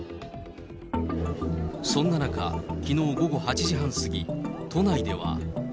そんな中、きのう午後８時半過ぎ、都内では。